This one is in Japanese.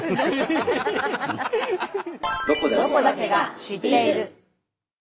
「ロコだけが知っている」。